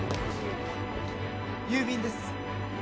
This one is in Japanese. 郵便です。